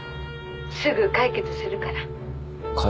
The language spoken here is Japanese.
「すぐ解決するから」解。